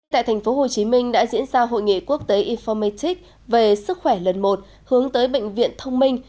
tại thành phố hồ chí minh đã diễn ra hội nghị quốc tế informatic về sức khỏe lần một hướng tới bệnh viện thông minh